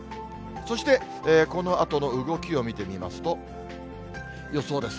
そしてこのあとの動きを見てみますと、予想です。